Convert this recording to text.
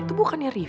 itu bukannya rifqi ya